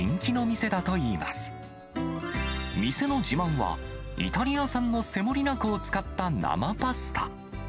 店の自慢は、イタリア産のセモリナ粉を使った生パスタ。